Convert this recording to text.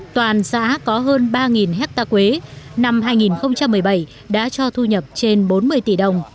toàn xã có hơn ba hectare quế năm hai nghìn một mươi bảy đã cho thu nhập trên bốn mươi tỷ đồng